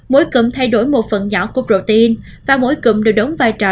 mỗi cụm thay đổi một phần nhỏ của protein và mỗi cụm đều đóng vai trò